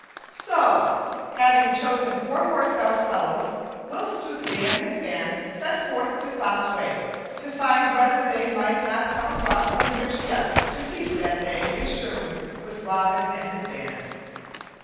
So, having chosen four more stout fellows, Will Stutely and his band set forth to Fosse Way, to find whether they might not come across some rich guest to feast that day in Sherwood with Robin and his band.